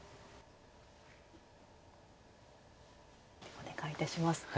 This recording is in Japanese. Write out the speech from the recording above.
お願いいたします。